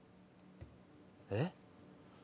えっ？